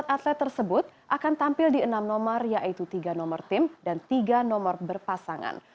delapan atlet tersebut akan tampil di enam nomor yaitu tiga nomor tim dan tiga nomor berpasangan